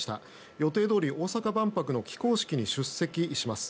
予定どおり大阪万博の起工式に出席します。